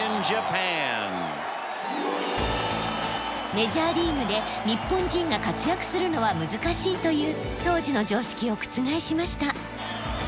メジャーリーグで日本人が活躍するのは難しいという当時の常識を覆しました。